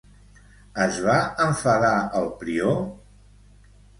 Es va enfadar el prior?